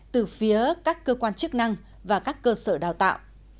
từ phía các cơ quan chức năng và các cơ sở đào tạo